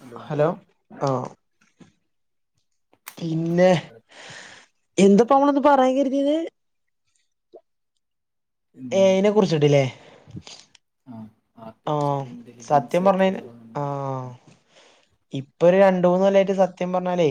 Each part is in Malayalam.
ഹലോ ഹലോ ആഹ് പിന്നെ, എന്തപ്പമ്മളിന്ന് പറയാൻ കെര്തീനെ ഇന്ന് ഏയിനെ കുറിച്ചിട്ടില്ലേ. ആ ആർട്ടിഫിഷ്യൽ ആഹ് ഇന്റലിജൻസ് സത്യം പറഞ്ഞ് കഴിഞ്ഞ എത്രത്തോളം നമ്മളെ ആഹ് ഇപ്പൊ ഒരു രണ്ട് മൂന്ന് കൊല്ലായിട്ട് സത്യം പറഞ്ഞാലേ.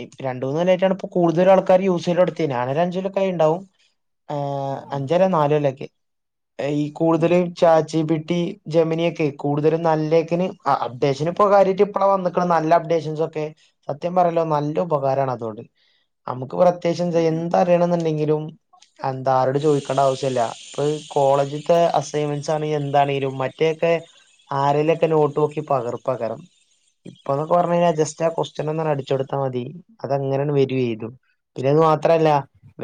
ഇ രണ്ടുന്ന് കൊല്ലയിട്ടാണ് ഇപ്പോ കൂടുതല് ആൾക്കാര് യൂസോടുത്ത് ഞാന് ഒരു അഞ്ച് കൊല്ലോക്കെ ആയിട്ടുണ്ടാവും ആഹ് ഉം അഞ്ചല്ല നാല് കൊല്ല ഒക്കെ ഈ ഉം കൂടുതലും ചാറ്റ്ജിപി റ്റി ജമിനിയൊക്കെ കൂടുതലും നല്ലേക്കിന് അപ്ഡേഷന് ഇപ്പോ കാര്യട്ട് ഇപ്പള വന്നക്കണ നല്ല അപ്ഡേഷൻസ് ഒക്കെ. സത്യം പറയല്ലോ നല്ല ഉപകാരണ് അതുകൊണ്ട് നമുക്ക് പ്രത്യേകിച്ച് ഉം ഉം എന്താലും ണെന്നുണ്ടെങ്കിലും എന്താ ആരോട് ചോദിക്കേണ്ട ആവശ്യല്ല ഇപ്പൊ കോളേജിത്തെ അസൈൻമെന്റ്സ് ആണെങ്കി എന്താണെങ്കിലും മറ്റേക്കെ ആരെലൊക്കെ നോട്ട് നോക്കി പകർ പേകാരം. അതൊക്കെ പറഞ്ഞു കഴിഞ്ഞാൽ ജസ്റ്റ് ആ കൊസ്ട്യൻ ഒന്ന് അടിച്ചോടുത്താൽ മതി അത് അങ്ങനെയങ് വരു ഏതും. പിന്നെ അത് മാത്രല്ല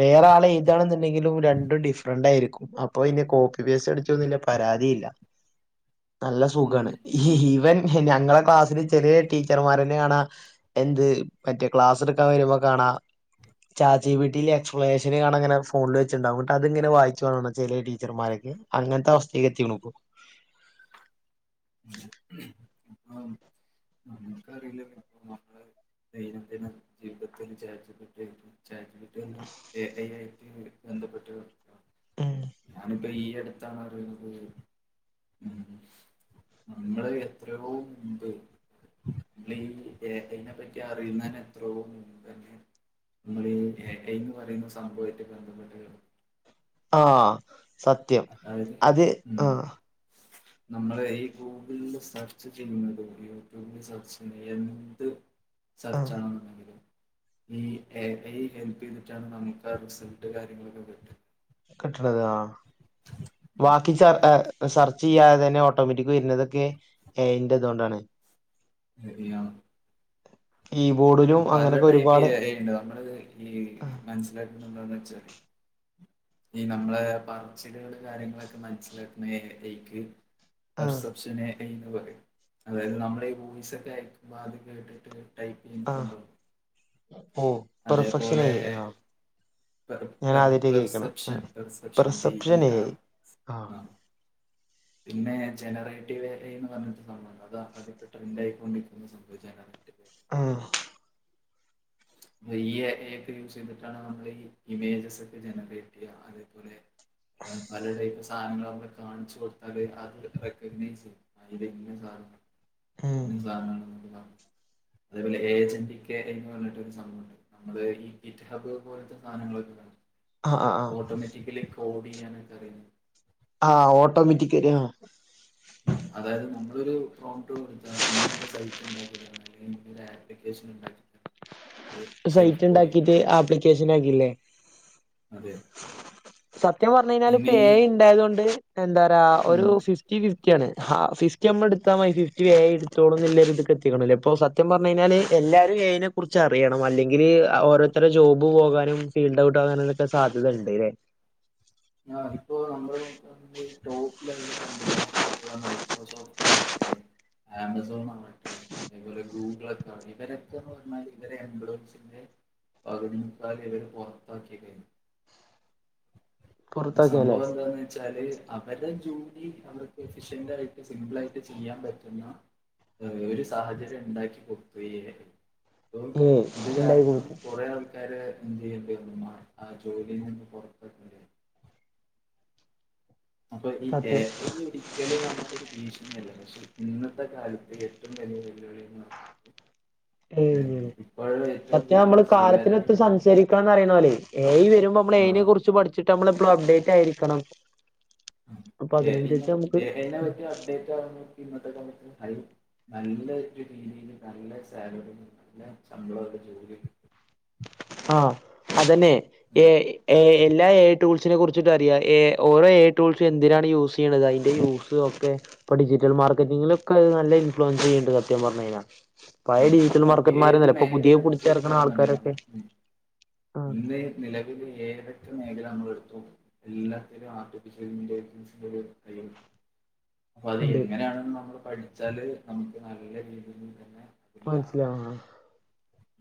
വേറെ ആൾ എയുതാണെന്നുണ്ടെങ്കിലും രണ്ടും ഡിഫറന്റ് ആയിരിക്കും. അപ്പൊ ഇനി കോപ്പി പേസ്റ്റ് അടിച്ചോന്നില്ല പരാതിയില്ല. നല്ല ഉം സുഖാണ് ഇവൻ ഞങ്ങളെ ക്ലാസ്സില് ചെറിയ ടീച്ചർമാരാന്നണ്‌. എന്ത് മറ്റേ ക്ലാസ് എടുക്കാൻ വരുമ്പോ കാണാ. ചാറ്റ് ജി പി റ്റിൽ എക്സ്പ്ലേഷൻ കാണൻ ഇങ്ങനെ ഫോണിൽ വെച്ചണ്ടാവും എന്നിട്ട് അതിങ്ങനെ വായിച്ചു പോണ ചില ടീച്ചർമാരോക്കെ. അങ്ങനത്തെ അവസ്ഥേക്ക് എത്തിക്ക്ണു. ആഹ് നമുക്ക് അറില്ല. ദൈനംദിനം ജീവിതത്തിൽ ചാറ്റ്ജിപിറ്റി ചറ്റ്ജി എഐ ആയിരിക്കും ബന്ധപ്പെട്ട് ഉം ഞാനിപ്പോ ഈ അടുത്താണ് അറിയുന്നത് നമ്മള് എത്രയോ മുമ്പേ നമ്മള് ഈ എ ഐ നെ പറ്റി അറിയുന്നന്നെ എത്രയോ മുമ്പ് തന്നെ നമ്മളീ എ ഐ എന്ന് പറയുന്ന സംഭവായിട്ട് ബന്ധപ്പെട്ട് ആഹ് സത്യം അതായത് അത് ഉം ആഹ് [inaudible] നമ്മള് ഈ ഗൂഗിളില് സെർച്ച് ചെയ്യുന്ന വീഡിയോ യൂട്യൂബിൽ സെർച്ച് ചെയ്യുന്നത് എന്ത് ആഹ് സെർച്ച് ആണെന്നുണ്ടെങ്കിലും ഈ എ ഐ ഹെൽപ് ചെയ്തിട്ടാണ് നമുക്ക് ആ റിസൾട്ട് കാര്യങ്ങളൊക്കെ കിട്ടുക കിട്ടണത് ആഹ് ബാക്കി ചർ ആഹ് സെർച്ച് ചെയ്യാതെ തന്നെ ഓട്ടോമാറ്റിക് വരുന്നതൊക്കെ എന്റതുകൊണ്ടാണ് ഹെവിയാണ് കീബോർഡ് പല ടൈപ്പ് എ ഐ ഉണ്ട് നമ്മള് ഈ മനസ്സിലാക്കണ എന്താന്ന് വെച്ചാല് ഈ നമ്മളെ പറച്ചില് കള് കാര്യങ്ങളൊക്കെ മനസ്സിലാക്കുന്ന എ ഐ യ്ക്ക് ആഹ് പെർസെപ്ഷൻ എ ഐ എന്ന് പറയും. അതായത് നമ്മള ഈ വോയിസ് ഒക്കെ അയക്കുമ്പോ അത് കേട്ടിട്ട് ടൈപ്പ് ചെയുന്ന ആഹ് സംഭവം ഓ പെർഫെക്ഷൻ എ അതേപോലെ ഐ ആഹ് പെർ ഞാൻ പെർ ആദ്യായിട്ടാ കേക്കണെ perception perception P E A R I ആഹ് പിന്നെ ജനറേറ്റീവ് എ ഐ എന്ന് പറഞ്ഞിട്ടൊരു സംഭവം അതാ അതിപ്പോ ട്രെൻഡ് ആയിക്കൊണ്ടിരിക്കുന്ന [unintelligible] ആഹ് [unintelligible] എ ഐ ഒക്കെ യൂസ് ചെയ്തിട്ടാണ് നമ്മൾ ഈ ഇമേജസ് ഒക്കെ ജനറേറ്റ് ചെയ്യ അതേപോലെ പലടൈപ്പ് സാധനങ്ങളമ്മ കാണിച്ചു കൊടുത്താല് അത് റെക്കഗ്നൈസ് ചെയ്യും ഇത് ഇന്ന സാധ ഉം [unintelligible] അതേപോലെ ഏജന്റിക്ക് എ ഐ എന്ന് പറഞ്ഞ സംഭവണ്ട് നമ്മള് ഈ ഇറ്റ്ഹബ് പോലത്തെ സധങ്ങളൊക്കെകണ്ട് ആഹ് ആഹ് ആഹ് ഓട്ടോമാറ്റിക്കലി കോഡ് ചെയ്യാനൊക്കെ അറിയുന്നത് ആഹ് ഓട്ടോമാറ്റിക്കലി ആഹ് ഉ അതായത് നമ്മളൊരു പ്രോമ്റ്റ് കൊടുത്താ ഇങ്ങെ ഒരു സൈറ്റ് ഉണ്ടാക്കി തരണ [unintelligible] അപ്ലിക്കേഷൻ ഉണ്ടാക്കിത്തരും സൈറ്റ് ഉണ്ടാക്കിട്ട് ആപ്ലിക്കേഷൻ ആക്കിയില്ലേ? അതെ സത്യം പറഞ്ഞുകഴിഞ്ഞാല് ഇപ്പൊ ഇനി എ ഐ ഉണ്ടായത്കൊണ്ട് എന്താ പറയാ ഒരു ഉം ഫിഫ് ഫിഫ്റ്റിഫിഫ്റ്റി യാണ് ഫിഫ്റ്റി നമ്മള എടുത്താ മയി ഫിഫ്റ്റി എ ഐ എടുത്തോളും എന്നെല്ലാരടുക്കെ എത്തിക്കണോ അപ്പോ സ സത്യം പറഞ്ഞു കഴിഞ്ഞാല് എല്ലാവും എ ഐ നെ കുറിച്ച് അറിയാം. അല്ലെങ്കില് ഓരോരുത്തരുടെ ജോബ് പോകാനും സീൻ ഉണ്ടാവുട്ടാനൊക്കെ സാധ്യത ഉണ്ട് അല്ലേ? ആ ഇപ്പോ നമ്മള് [unintelligible] ടോപ്പ് ലെവല് കമ്പനീസ് ആയിട്ടുള്ള മൈക്രോസോഫ്റ്റ് ആണ് ഏ ആമസോൺ വന്നിട്ട് അതപോലെ ഗൂഗിളൊക്കെയ ഇവരൊക്കെന്ന് പറഞ്ഞാൽ ഇവരെ എപ്ലോയ്സിന്റെ പകുതി മുക്കാലു ഇവര് പുറത്താക്കിതേന് പുറത്തൊക്കെല്ലേ സംഭവം എന്താന്ന് വെച്ചാല് അവരുടെ ജോലി അവർക്ക് എഫിഷൻറായിട്ട് സിമ്പിളായിട്ട് ചെയ്യാൻ പറ്റുന്ന ഒരു സാഹചര്യം ഉണ്ടാക്കി കൊടുത്തു എ ഐ. അപ്പൊ ഏയ് ഇത് ഉണ്ടായി കാരണം കൊടുക്കും കുറേ ആൾ വീട്ടുകാര് എന്ത് ചെയ്തെന്ന ആ ജോലിന്ന് പുറത്താക്കണ്ടേ അപ്പൊ ഈ എ സത്യം ഐ ഒരു ഒരിക്കല് നമുക്കൊരു ഭീഷണിയല്ല പക്ഷെ ഇന്നത്തെ കാലത്ത് ഏറ്റവും വലിയ വെല്ലുവിളിയെന്ന് പറഞ്ഞാ ഉ ഏ പത്യ കൂടുതൽ നമ്മള് സ്വീകാര്യത കാലത്തിനൊത്ത് സംസാരിക്ക റിയുന്നലെ യ് വരുമ്പോ നമ്മ ആ എയിനെ കുറിച്ച് പഠിച്ചി നമ്മള എ അപ്ഡേറ്റ് ആയിരിക്കണം അപ്പൊ എ ഐ നെ അതിനനുസരിച്ച് നമുക്ക് എ ഐ പറ്റി അപ്ഡേറ്റ് ആ ഇന്നത്തെ ക്ക ഹൈ നല്ല രീതിയില് നല്ല സാലറി നല്ല ശമ്പളം ജോലിയ ആഹ് അതന്നെ ഉം ഏ എ എല്ലാ എ ടൂൾസിനെ കുറിച്ചിട്ട് അറിയാം എ ഓരോ എ ടൂൾസും എന്തിനാണ് യൂസ് ചെയ്യണത് അതിൻ്റെ യൂസ ഒക്കെ ഇപ്പ ഡിജിറ്റൽ മാർക്കറ്റിങ്ങിലൊക്കെ അത് നല്ല ഇൻഫ്ലുവൻസ് ചെയ്യുന്നുണ്ട് സത്യ പറഞ്ഞ കഴിഞ്ഞ പായ ഉം ഡിജിറ്റൽ ഏത് മാർക്കന്മാരന്നല്ല ഇപ്പ മേഖല പുതിയെ എടുത്ത് കുളിച്ചിറക്കണം ആൾക്കാരൊക്കെ നോക്കുകയാണെന്നുണ്ടെങ്കിൽ ആഹ് ഇന്ന് നിലവില് ഏതൊക്കെ മേഖല നമ്മൾ എടുത്തു എല്ലാത്തിലും ആർട്ടിഫിഷ്യൽ ഇന്റലിജൻസിന്റെ ഒരു കയും അപ്പൊ അത് ഉണ്ട് എങ്ങനെയാണെന്ന് നമ്മള് പഠിച്ചാല് നമുക്ക് നല്ല രീതിയിൽ തന്നെ പ്പ മനസ്സിലാവ ആഹ്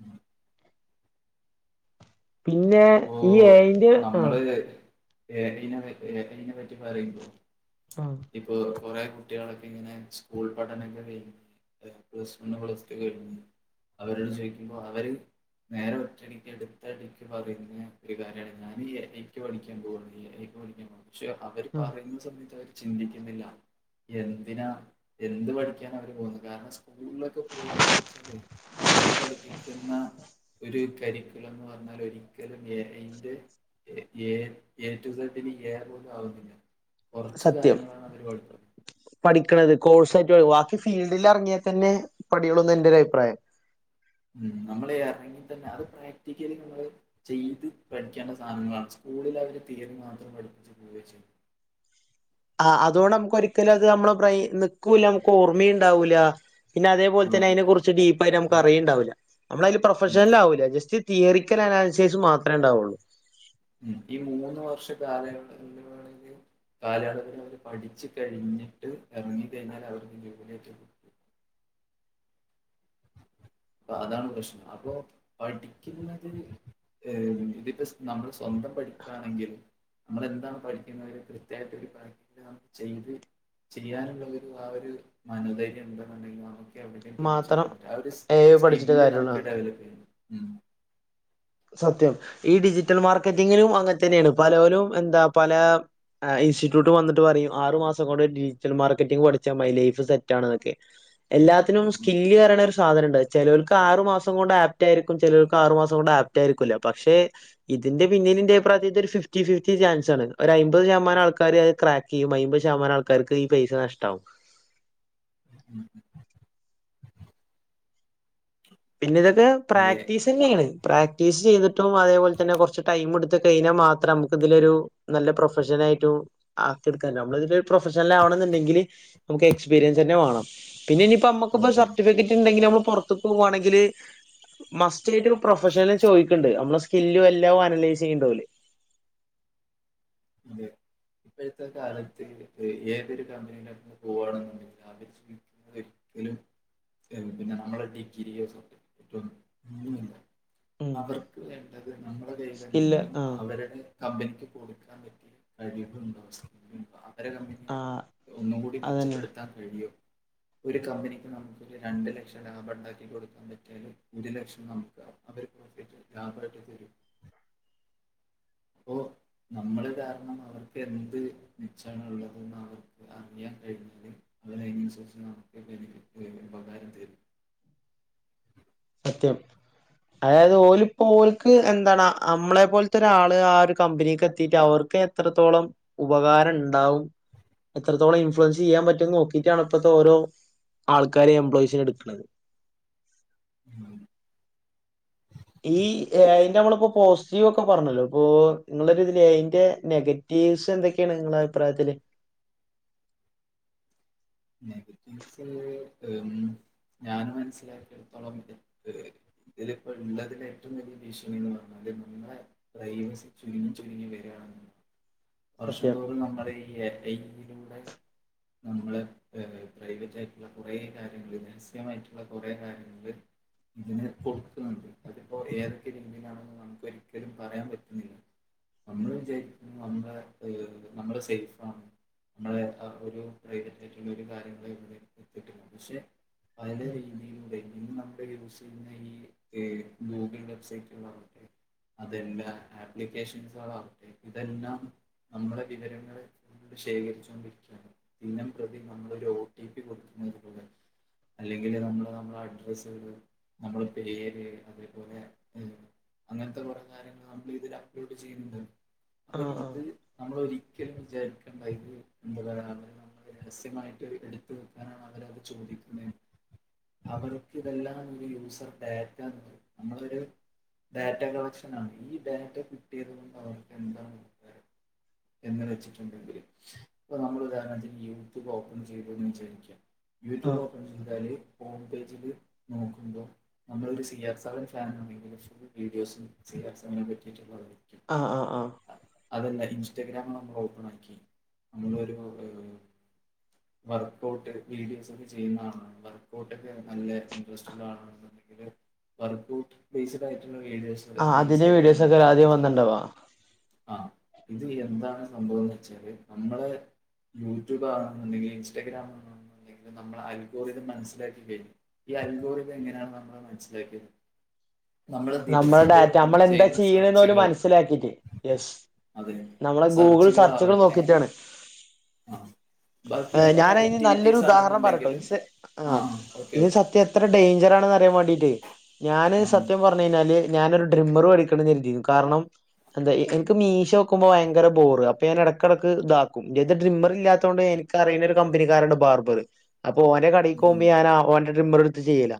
ഉം പിന്നെ ഇപ്പോ ഈ ഏ യിന്റെ ആഹ് നമ്മള് എ ഐ നെ എ ഐ നെ പറ്റി പറയുമ്പോ ആഹ് ഇപ്പൊ കൊറെ കുട്ടികളൊക്കെ ഇങ്ങനെ സ്കൂൾ പഠനൊക്കെ കഴും പ്ലസ് വൺ പ്ലസ് ടു കയിഞ്ഞ് അവരോട് ചോദിക്കുമ്പോ അവര് നേരെ ഒറ്റടിക്ക് എടുത്തടിക്ക് പറയുന്നു ഒരു കാര്യമാണ് ഞൻ എ ഐ ക്ക് പടിക്കാൻ പോക എ ഐ ക്ക് പഠിക്കാൻ പോ പക്ഷെ അവർ ആഹ് പറയുന്നു യത്ത് അവര് ചിന്തിക്കുന്നില്ല എന്തിനാ എന്ത് പഠിക്കൻ അവര് പോകുന്നത് കാരണം സ്കൂളിലൊക്കെ പോവാണെ അവിടെ പഠിപ്പിക്കുന്ന ഒരു കരിക്കുല എന്ന് പറഞ്ഞാൽ ഒരി ക്കലും എ ഐ ന്റെ ഏ റ്റു സഡന് ഏറ ഒന്നും ആവുന്നില്ല കുറച്ച് കാര്യങ്ങളാണ് അവര് പഠിപ്പുന്നത് പഠിക്കണുന്നത് കോഴ്സ് ആ് ബാക്കി ഫീൽഡിൽ ഇറങ്ങിയാൽ തന്നെ പഠിയുള്ളൂന്ന് എന്റെ ഒരു അഭിപ്രായം ഉം നമ്മള് എറങ്ങി തന്നെ അത് പ്രാക്ടിക്കലി നമ്മള് ചെയ്ത് പഠിക്കേണ്ട സാധനങ്ങളാണ് സ്കൂളിൽ അവര് തിയന്ന് മാത്രം പഠിപ്പിച്ച് പോവുകയ ചെയ്യതു ആഹ് അതുകൊണ്ട് നമുക്ക് ഒരിക്കലും അത് നമ്മള് നക്കൂല നമുക്ക് ഓർമ്മയുണ്ടാവൂല പിന്നെ അതേപോലെ ആഹ് തന്ന അതിനെ കുറിച്ച് ഡീപ്പയിട്ട നമുക്ക് ഉം അറിയുണ്ടാവില്ല നമ്മള അതി ഉം പ്രൊഫഷൽ ആവില്ല ജസ്റ്റ് തിയറരിക്കൽ അനുസേഷച്ച് മാത്രമേ ഉണ്ടാവയുള്ളൂ ഉ ഈ മൂന്ന് വർഷ കാല ഉള്ളവാണെങ്കിൽ കാലയളവി അവര് പഠിച്ചു കഴിഞ്ഞിട്ട് ഇറങ്ങ കഴിഞ്ഞാൽ അവർക്ക് ജോലറ്റ അപ്പ അതാണ് പ്രശ്നം അപ്പൊ പഠിക്കുന്നത് ഇതിപ്പോ നമ്മൾ സ്വന്തം പഠിക്കുകണെങ്കിൽ നമ്മൾ എന്താണ് പഠിക്കുന്ന കൃത്യായിട്ട് ഒരു പഠിക്ക ന ചെയ്ത് ചെയനുള്ള ഒരു ആ ഒരു മനോധൈര്യം ഉണ്ടെന്നുണ്ടെങ്കിൽ നമുക്ക് പിടിച്ച് മാത്രം നിക്കൻ പറ്റ ആ ഒരു ഏ ഐ പഠിച്ചിട്ട് സ്കില്ല് കാര്യള്ളൂ നമുക്ക് ഡെവലപ്പ് ചെയ്യണം സത്യം ഈ ഡിജിറ്റൽ മാർക്കറ്റിങ്ങിനും അങ്ങനെ തന്നെയാണ് പല പോരും എന്താ പല എ ഇൻസ്റ്റ്യൂട്ട് വന്നിട്ട് പറയും ആറ് മാസം കൊണ്ട് ഡിജിറ്റൽ മാർക്കറ്റിംഗ് പഠിച്ചാ മൈ ലൈഫ് സെറ്റ ആണ്ന്നക്കെ എല്ലാ ത്തിനും ഉം സ്കില്ല്യുന്ന ഒരു സാധനംണ്ട് ചെലോൽക്ക് ആറുമാസം കൊണ്ട് ആപ്റ്റ ആയിരിക്കും ചേലോൽക്ക് ആറു മാസം കൊണ്ട് ആപ്പ് റ്റായിരിക്കില്ല പക്ഷെ ഇതിന്റെ പിന്നിലിന്റെ പ്രായ ഫിഫ്റ്റി ഫിഫ്റ്റി ചാൻസ്ണ് ഒരു അമ്പത് ശമാം ആൾക്കാര് അത് ക് ഈ മൈമ്പത് ശതമാനം ആൾക്കാർക്ക് ഈ പൈസ നഷ്ടവും ഉം ഉം പിന്നെ ഇതൊക്കെ ഏ- പ്രാക്ടീസ് തന്നെയാണ് പ്രാക്ടീസ് ചെയ്തിട്ടും അതേപോലെ തന്നെ കുറച്ച് ടൈം എടുത്ത് കഴിഞ്ഞാൽ മാത്രം നമുക്ക് ഇതിലൊരു നല്ല പ്രൊഫഷനായിട്ടും ആക്കിയെടുക്കാ നമ്മള് ഇതിലൊരു പ്രൊഫഷണൽ ആവണം എന്നുണ്ടെങ്കില് നമുക്ക് എക്സ്പരിയൻ തന്നെ വേണം പിന്നെ ഇനിപ്പ ഉം നമ്മുക്ക്പ്പോ ഉം. സർിഫിക്കറ്റ് ഉണ്ടെങ്കിൽ നമ്മള് പൊറത്ത് പോവാണെങ്കിൽ ഇതില് മസ്റ്റ്യായിട്ട് പ്രൊഫഷനല് ചോദിക്കുന്നുണ്ട് നമ്മളെ സ്കില്ലും എല്ലാും അനലൈസ് ചെയ്യണ്ടോല് അതെ ഇപ്പോഴത്തെ കാലത്ത് ഏതൊരു കമ്പനിക്കന്ന് പോവാണെന്നുണ്ടെങ്കി ആദ്യം എക്സ്പീരി എന്തിനും പിന്നെ നമ്മളെ ഈ [unintelligible] ഉം അവർക്ക് വേണ്ടത് നമ്മുടെ കയ്യിന്ന് സ്കില്ല് എന്തെങ്കിലും ആഹ് അവരുടെ കമ്പനിക്ക് കൊടു കഴിവ് അവരെ കമ്പനിയെ ആഹ് ഒന്നും കൂടി അതന്നെ മെച്ചപ്പെടുത്താൻ റേഡിയോ ഒരു കമ്പനിക്ക് നമുക്കൊരു രണ്ട് ലക്ഷം ലാഭം ഉണ്ടാക്കി കൊടുക്കാൻ പറ്റിയാലും ഒരു ലക്ഷം നമുക്ക് അവർ ലാഭായിട്ട് തരും അപ്പോ നമ്മള് കാരണം അവർക്ക് എന്ത് മെച്ചമാണ് ഉള്ളത് അവർ അറിയാൻ കഴിഞ്ഞാലും അതിനന്തിനുസോച്ച് നമുക്കൊക്കെ എനിക്ക് ഉപകാരം തരും സത്യം അതായത് ഓല് ഇപ്പോ ഓൽക്ക് എന്താണ് നമ്മളെ പോലത്തൊരാള് ആ ഒരു കമ്പനിക്ക് എത്തിട്ട് അവർക്ക് എത്രത്തോളം ഉപകാരം ഉണ്ടാവും എത്രത്തോളം ഇൻഫ്ലുവൻസ് ചെയ്യാൻ പറ്റുംന്ന് നോക്കിയിട്ടാണ് ഇപ്പോഴത്തെ ഓരോ ആൾക്കാരും എംപ്ലോയ്സസിന് എടുക്കുന്നത് ഉം ഈ അതിന്റെ നമ്മളിപ്പോ പോസിറ്റീവ് ഒക്കെ പറഞ്ഞല്ലോ ഇപ്പൊ നിങ്ങളൊ ഇതിൽ തിന്റെ നെഗറ്റീ് ടീവ്സ് എന്തൊക്കെയാണ് നിങ്ങളുടെ അഭിപ്രായത്തില് നെഗറ്റീവ്സ് ഞാൻ മനസ്സിലാക്കിയടുത്തോളം ഇത് ഏഹ് ഇതില് ഇപ്പോ ഉള്ളതിൽ ഏറ്റവും വലിയ ഭീഷണിന്ന് പറഞ്ഞാല് നമ്മളെ ബ്രയ്ൻ ചുരുങ്ങി ചുരുങ്ങി വരണ് വർഷം സത്യം തോറും നമ്മുടെ ഈ ഡാറ്റയിലൂടെ നമ്മള് പ്രൈവറ്റ് ആയിട്ടുള്ള കുറെ കാര്യങ്ങള്ൾ രഹസികമായിട്ടുള്ള കുറേ കാര്യങ്ങള് ഇതിന് കൊടുക്കുന്നുണ്ട് അതിപ്പോ ഏതൊക്കെ രീതിയിലാണെന്ന് നമുക്ക് ഒരിക്കലും പറയാൻ പറ്റുന്നില്ല നമ്മളും വിചാരിക്കും നമ്മുടെ നമ്മള് സേഫാണ് നമ്മളെ ആ ഒരു പ്രൈവറ്റ് കാര്യങ്ങള് ഇവിടെ എത്തിട്ടുണ്ട് പക്ഷെ പല ഉം. രീതിയിലൂടെ ഇന്ന് നമ്മുടെ യൂസ് ചെയ്യുന്ന ഈ ഗൂഗിൾ വെബ്സൈറ്റുകളാവട്ടെ അതെല്ലാം ആപ്ലിക്കേഷൻസുകളാവട്ടെ ഇതെല്ലാം നമ്മുടെ വിവരങ്ങള് ശേഖരിച്ചൊണ്ടിരിക്കുകയാണ് ദിനം പ്രതി നമ്മളൊരു ഒ ടി പി കൊടുക്കുന്നത് പോലെ അല്ലെങ്കില് നമ്മള് നമ്മുടെ അഡ്രസ് നമ്മള് പേര് വിവരം അതേപോലെ അങ്ങനത്തെ കുറെ കാര്യങ്ങൾ നമ്മള് ഇതിൽ അപ്ലോഡ് ചെയ്യുന്നുണ്ട് അപ്പൊ ആ ആ ഇത് നമ്മള് ഒരിക്കലും വിചാരിക്കേണ്ട ഇത് എന്ത പറയ രഹസ്യമായിട്ട് എടുത്ത് വെക്കാനാണ് അവരത് ചോദിക്കുന്നത് അവർക്ക് ഇതെല്ലാം യൂസർ ഡയറ്റ് നമ്മളൊരു ഡാറ്റ കളക്ഷൻ ആണ് ഈ ഡാറ്റ കിട്ടിയത് കൊണ്ട് അവർക്ക് എന്താണ് ഉപകാരം എങ്ങനെ വെച്ചിട്ടുണ്ടെങ്കിലും അപ്പൊ നമ്മൾ ഉദാഹരണംത്തിന് യൂട്യൂബ് ഓപ്പൺ ചെയ്തു എന്ന് വിചാരിക്ക ആ യൂട്യൂബ് ഓപ്പൺ ചെയ്താല് ഫോൺ പേജില് നോക്കുമ്പോ നമ്മളൊരു സി ആർ സെവൻ ഫാനാണെങ്കും ഫുൾ വീഡിയോസും സി ആർ സെവനെ പറ്റിയിട്ടുളളതായിരിക്കും ആഹ് ആഹ് ആഹ് അതല്ല ഇൻസ്റ്റഗ്രാമിൽ നമ്മള് ഓപ്പൺ ആക്കി നമ്മളൊരു വർക്കഔട്ട് വീഡിയോസ് ഒക്കെ ചെയ്യുന്ന ആള് വർക്കഔട്ട ഒക്കെ നല്ല ഇൻട്രസ്റ്റ്ള്ള ആള് വർക്കൗട്ട് ബേസ്ഡ് ആയിട്ടുള്ള വീഡിയോസ് ആ റീൽസ് അതിന് ആയിട്ട് വീഡിയോസ് ഒക്കെ നമുക്ക് കാണാൻ ആദ്യം സാധിക്കും വന്നിണ്ടാവാ ആഹ് ഇത് എന്താണ് സംഭവംന്ന് വെച്ചാല് നമ്മള് ഇ യൂടൂബണെന്നുണ്ടെങ്കിൽ ഇൻസ്റ്റഗ്രാം ആണുെങ്കിൽ നമ്മള് അൽഗോരിതം ഇത് മനസ്സിലാക്കി കഴിയും ഈ അൽഗോരിത എങ്ങനെയാണ് നമ്മള് മനസ്സിലാക്കിയ നമ്മള് നമ്മളെ ദിവസം ഡാറ്റ തോറും നമ്മള് നമ്മളെന്താ ചെയ്യുന്ന ചെയ്യണേന്ന് ഓല് സർച്ചകള് മനസ്സിലാക്കിട്ട് യെസ് അതെ നമ്മളെ ഗൂഗിൾ സെർച്ചുകൾ സെർച്ചുകളാവട്ടെ ആഹ് ആഹ് ഞാനയ്ന് നല്ലൊരു ഉദാഹരണം പറയട്ടോ ആണെന്നുണ്ടെങ്കിലും ആ ആഹ് ആ ഓക്കെ ഇത് ഓക്കെ സത്യ അത്ര ആ ഡേഞ്ചറണ് അറിയാൻ വേണ്ടിട്ട് ഞൻ ആ ഉം സത്യം പർ റഞ്ഞ് കിഞ്ഞാല് ഞാനൊരു ഡ്രിമ്മറും മേടിക്കണം കര്തീന്നു കാരണം എന്താ എനിക്ക് മീശ വോക്ക്പോ ഭയങ്കര ബോറ് അപ്പൊ ഞാൻ എടക്കിടക്ക് ഇതാക്കും ഇത് ഡ്രിമ്മർ ഇല്ലാത്തോണ്ടെ കൊണ്ട്നി ക്കറിയ്ണ ഒരു കമ്പനിക്കാരണ്ട് ബാർബര് അപ്പൊ ഓന്റെ കടക്കോക്മ്പ ഉം ഞാനാ ഓന്റെ ട്രിമർ എടുത്ത് ചെയ്യല്ല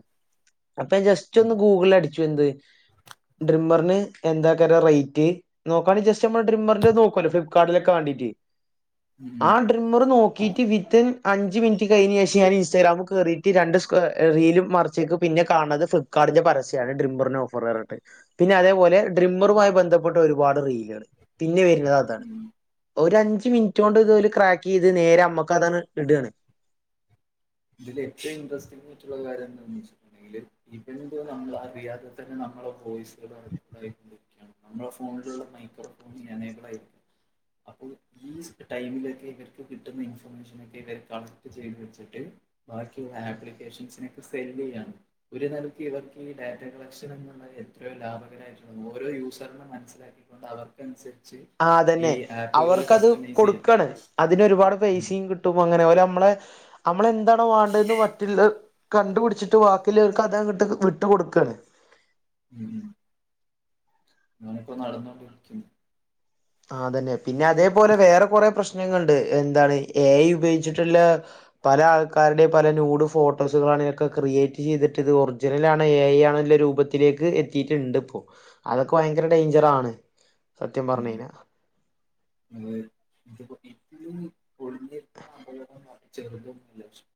അപ്പൊ ജസ്റ്റ് ഉം ഒന്ന് ഗൂഗിളിൽ അട ച്ചു എന്ത് ഡ്രിമ്മറിന് എന്താകര റേറ്റ്? നോക്കാണെ ജസ്റ്റ് നമ്മള് ഡ്രിമ്മറിന്റെ നോക്കല്ലോ ഫ്ലിപ്കാർട്ടിലൊക്കെ വേണ്ടിട്ട് ഉം ആഹ് ട്രിമ്മറ് നോക്കിയിട്ട് വിത്ത്ൻ അഞ്ച് മിനിറ്റ് കഴിഞ്ഞ ശേഷ ഞാൻ ഇൻസ്റ്റഗാമിൽ കേറിയിട്ട് രണ്ട് റീലും മറ ചെക്ക് പിന്നെ കാണുന്നത് ഫ്ളിപ്കാട്ടിന്റെ പരസ്യം ഡിമ്മറി ഓഫർയട്ട് പിന്നെ അതേപലെ ഡിമ്മറുമായി ബന്ധപ്പെട്ട ഒരുപാട് റീലുകൾ പിന്നെ വര്ണത് അതാണ് ഒരഞ്ച് മിനിറ്റ് കൊണ്ട് ഇത് ഓല് ക്രാക്ക് ചെയ്ത് നേരെ അമ്മക്ക് അതാണ് ഇടണ് ഇതില് ഏറ്റവും ഇൻട്രസ്റ്റ്ള്ള കാര്യംന്താന്ന്ച്ചയ്ഞ്ഞാൽ [unintelligible] നമ്മള് അറിയാത തന്നെ നമ്മളെ വോയിസ [unintelligible] നമ്മുളെ ഫോണിലുള്ള മൈക്രോഫോൺ ഞാനേബൾ ആയിരിക്കും അപ്പോ ഈ ടൈമിലൊക്കെ ഇവർക്ക് കിട്ടുന്ന ഇൻഫർമേഷനൊക്കെ ഇവർ കളക്ട് ചെയ്ത് വെച്ചിട്ട് ബാക്കിയുള്ള ആപ്ലിക്കേഷൻസിനൊക്കെ സെല്ല് ചെയ്യാണ് ഒരു നൽക്ക് ഇവർക്ക് ഈ ഡാറ്റ കളക്ഷൻ എന്നുള്ള എത്രയോ ലാഭകരമായിട്ടുള്ള ഓരോ യൂസറിനെ മനസ്സിലാ ക്കി ക്കൊണ്ടവർ ക്കനുസരിച്ച് ആഹ് അതന്നെ അവർക്കത് ചെയ്യണം കൊടുക്കാണ് അതിനരുപാട് ഉം പൈസിം കി ട്ടു പോ അങ്ങനെ പോലെ നമ്മളെ നമ്മള എന്താണോ വേണ്ടതെ പറ്റില്ല കണ്ടു പിടിച്ചിട്ട് ബാക്കില്ലവർക്ക് അതങ്ങട്ട് ഇട്ട് കൊടുക്കണ് ഉം ങ്ങാനെ പ്പോ നടന്നോണ്ടിരിക്കും ആതന്നെ പിന്നെ അതേപോലെ വേറെ കൊറെ പ്രശ്നങ്ങൾണ്ട് എന്താണ് എ ഐ ഉപയോഗിച്ചിട്ടുള്ള പല ആൾക്കാരുടെയും പല നൂഡ് ഫോട്ടോസുകളാണ് ഇതൊക്കെ ക്രിയേറ്റ് ചെയ്തിട്ട ഇത് ഒറിജിനൽ ആണ് എ ഐ ആണല്ല രൂപത്തി ത്തിലേക്ക് എത്തിയിട്ടുണ്ട് പ്പോ അതൊക്കെ ഭയങ്കര ഡേഞ്ചറണ് സത്യം പറഞ്ഞു കഴിഞ്ഞാ അതെ എപ്പോ എയും കൊഴഞ്ഞേക്കുന്ന അപകട ചെറുതൊന്നുമല്ല